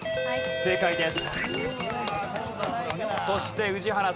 正解です。